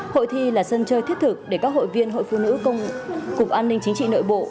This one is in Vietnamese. hội thi là sân chơi thiết thực để các hội viên hội phụ nữ cục an ninh chính trị nội bộ